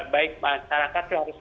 baik masyarakat harus